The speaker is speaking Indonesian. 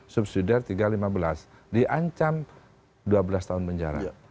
subsidiar tiga ratus lima belas diancam dua belas tahun penjara